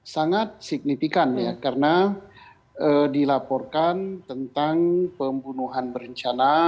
sangat signifikan ya karena dilaporkan tentang pembunuhan berencana